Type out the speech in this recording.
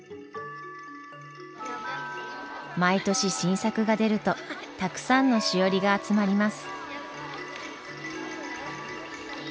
毎年新作が出るとたくさんのしおりが集まります。